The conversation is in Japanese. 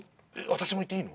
私も行っていいの？